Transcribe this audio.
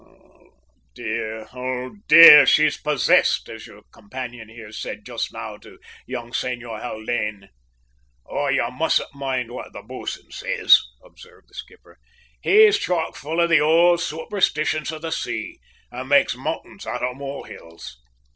"Oh dear! oh dear! she's possessed, as your companion here said just now to the young Senor Haldane." "Oh, you mustn't mind what the bo'sun says," observed the skipper. "He's chock full of the old superstitions of the sea, and makes mountains out of molehills."